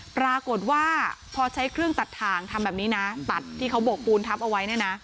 ปรากฏว่าพอใช้เครื่องตัดถ่างทำแบบนี้นะตัดที่เขาโบกปูนทับเอาไว้เนี่ยนะ